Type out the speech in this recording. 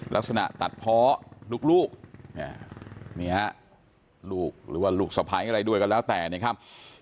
ลักษณะตัดเพาะลูกนี่ฮะลูกหรือว่าลูกสะพ้ายอะไรด้วยก็แล้วแต่นะครับ